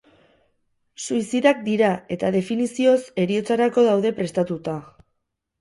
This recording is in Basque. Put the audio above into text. Suizidak dira eta, definizioz, heriotzarako daude prestatuta.